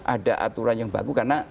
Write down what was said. ada aturan yang bagus karena